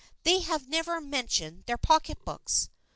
" They have never mentioned their pocketbooks."